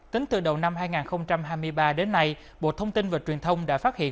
tính từ đầu năm hai nghìn hai mươi ba đến nay bộ thông tin và truyền thông đã phát hiện